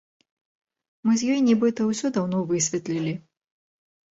Мы з ёй, нібыта, усё даўно высветлілі.